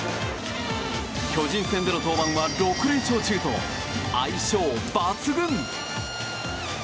巨人戦の登板は６連勝中と相性抜群！